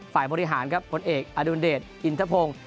ฝ่ายมริหารผลเอกอดูนเดชอินทะพง